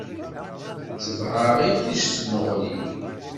Ttabaɛeɣ iṭij s tmuɣli.